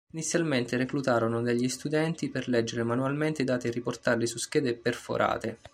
Inizialmente reclutarono degli studenti per leggere manualmente i dati e riportarli su schede perforate.